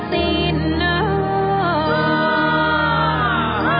ผ่อเถียงเหลี่ยงชื่อวินศาสตร์บ่ดิน